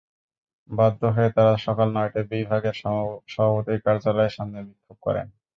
বাধ্য হয়ে তাঁরা সকাল নয়টায় বিভাগের সভাপতির কার্যালয়ের সামনে বিক্ষোভ করেন।